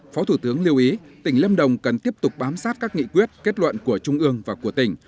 phó thủ tướng lưu ý tỉnh lâm đồng cần tiếp tục bám sát các nghị quyết kết luận của trung ương và của tỉnh